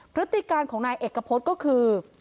พฤติการณ์ของนายเอกกะพจน์ก็คือ